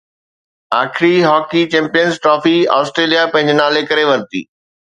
آخري hockey champions trophy Australia پنهنجي نالي ڪري ورتي